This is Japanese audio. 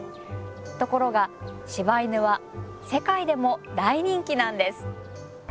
ところが柴犬は世界でも大人気なんです。